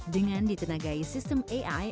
dengan ditenagai sistem ai